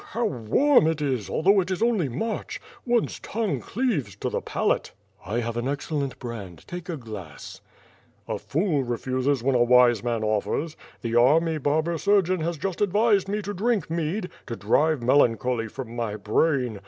Phew! how warm it is, al though it is only March. One's tongue cleaves to the palate." "I have an excellent brand. Take a glass." WITH FIRE AND SWORD. 105 "A fool refuses when a wise man offers. The army barber surgeon has just advised me to drink mead, to drive melan choly from my brain.